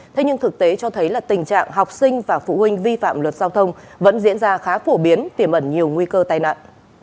thế nhưng thực tế cho thấy là tình trạng học sinh và phụ huynh vi phạm luật giao thông vẫn diễn ra khá phổ biến tiềm ẩn nhiều nguy cơ tai nạn